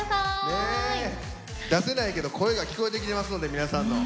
出せないけど声が聞こえてきてますので皆さんの。